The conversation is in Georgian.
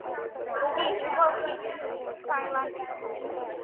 ხიდი იყო ხის, სამმალიანი, მოპირკეთებული გრანიტით, შუა მალა იხსნებოდა.